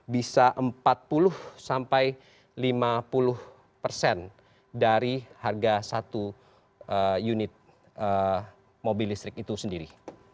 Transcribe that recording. bisa empat puluh sampai lima puluh persen dari harga satu unit mobil listrik itu sendiri